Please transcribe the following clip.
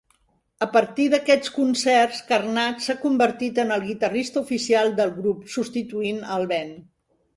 A partir d'aquests concerts, Karnats s'ha convertit en el guitarrista oficial del grup, substituint el Ben.